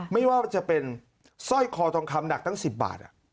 ไม่ว่าจะเป็นสร้อยคอทองคำหนักตั้ง๑๐บาท